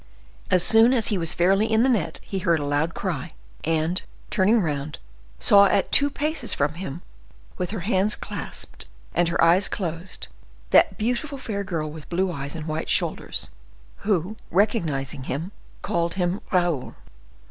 As soon as he was fairly in the net he heard a loud cry, and, turning round, saw at two paces from him, with her hands clasped and her eyes closed, that beautiful fair girl with blue eyes and white shoulders, who, recognizing him, called him Raoul.